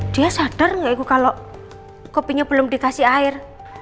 dia sadar gak iku kalo kopinya belum dikasih air